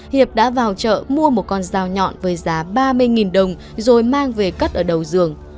hiệp đã vào chợ mua một con dao nhọn với giá ba mươi đồng rồi mang về cất ở đầu giường